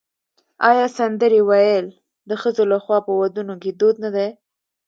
آیا سندرې ویل د ښځو لخوا په ودونو کې دود نه دی؟